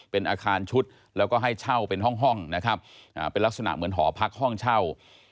เป็นอาคารชุดแล้วก็ให้เช่าเป็นห้องนะครับเป็นลักษณะเหมือนหอพักห้องเช่า